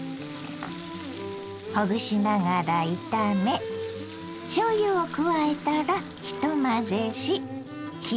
ほぐしながら炒めしょうゆを加えたらひと混ぜし火を止めます。